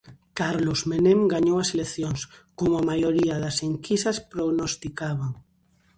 Carlos Menem gañou as eleccións, como a maioría das enquisas prognosticaban.